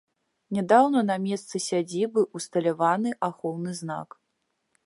Нядаўна на месцы сядзібы ўсталяваны ахоўны знак.